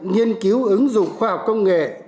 nghiên cứu ứng dụng khoa học công nghệ